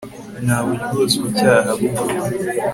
nta buryozwacyaha bubaho